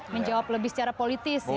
menjawab lebih secara politis ya